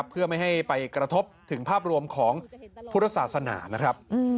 เพื่อไม่ให้ไปกระทบถึงภาพรวมของพุทธศาสนานะครับ